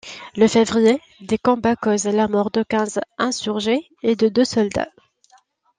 Le février, des combats causent la mort de quinze insurgés et de deux soldats.